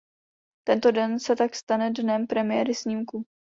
Tento den se tak stane dnem premiéry snímku.